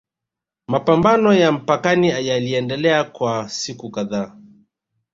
Mapambano ya mpakani yaliendelea kwa siku kadhaa